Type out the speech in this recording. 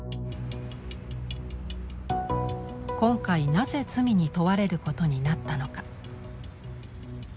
今回なぜ罪に問われることになったのか。